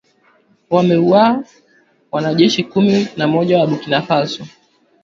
wamewaua wanajeshi kumi na moja wa Burkina Faso